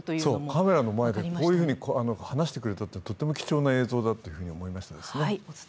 カメラの前でこういうふうに話してくれたのはとても貴重な映像だったと思いました。